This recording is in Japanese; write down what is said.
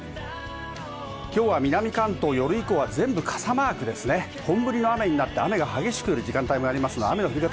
きょうは南関東、夜以降は全部傘マークですね、本降りの雨になって雨が激しく降り時間帯もありますが雨の降り方